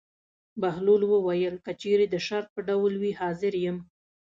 بهلول وویل: که چېرې د شرط په ډول وي حاضر یم.